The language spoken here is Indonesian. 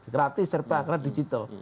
gratis serba karena digital